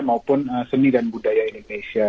maupun seni dan budaya indonesia